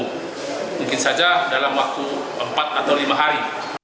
mungkin saja dalam waktu empat atau lima hari